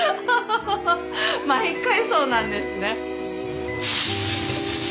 毎回そうなんですね。